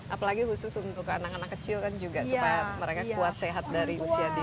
apalagi khusus untuk anak anak kecil kan juga supaya mereka kuat sehat dari usia dini